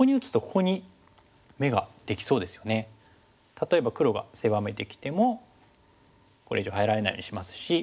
例えば黒が狭めてきてもこれ以上入られないようにしますし。